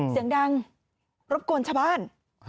เสียงดังรบกวนชาวบ้าน